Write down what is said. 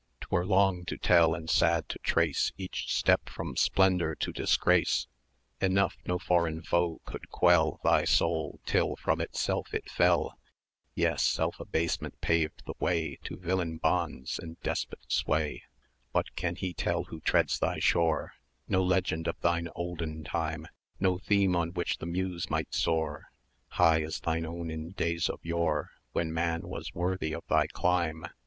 'Twere long to tell, and sad to trace, Each step from Splendour to Disgrace; Enough no foreign foe could quell Thy soul, till from itself it fell; Yet! Self abasement paved the way 140 To villain bonds and despot sway. What can he tell who treads thy shore? No legend of thine olden time, No theme on which the Muse might soar High as thine own in days of yore, When man was worthy of thy clime.